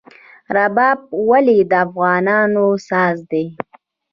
رباب ولې د افغانانو ساز دی؟